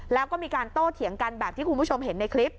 แล้วก็มีการโต้เถียงกันแบบที่คุณผู้ชมเห็นในคลิป